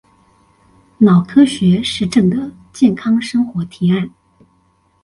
腦科學實證的健康生活提案